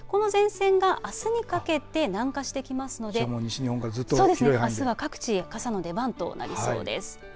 この前線があすにかけて南下してきますんであすは各地傘の出番となりそうです。